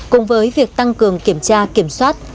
cùng với việc tăng cường kiểm tra kiểm soát